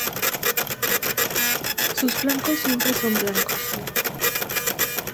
Sus flancos siempre son blancos.